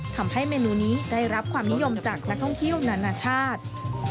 ทำให้เมนูนี้ได้รับความนิยมจากนักท่องเที่ยวนานาชาติ